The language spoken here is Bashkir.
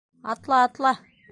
Атла, атла!